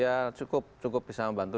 ya cukup bisa membantu